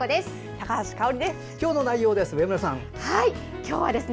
高橋香央里です。